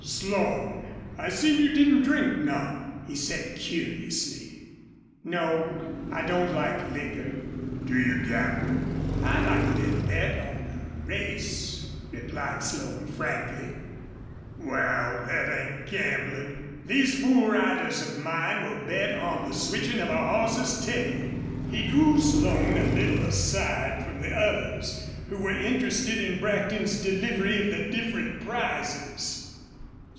"Slone, I seen you didn't drink none," he said, curiously. "No; I don't like liquor." "Do you gamble?" "I like a little bet on a race," replied Slone, frankly. "Wal, thet ain't gamblin'. These fool riders of mine will bet on the switchin' of a hoss's tail." He drew Slone a little aside from the others, who were interested in Brackton's delivery of the different prizes.